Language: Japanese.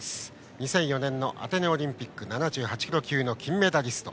２００４年のアテネオリンピック７８キロ級の金メダリスト。